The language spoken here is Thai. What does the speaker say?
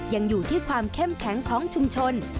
ยังอยู่ที่ความเข้มแข็งของชุมชน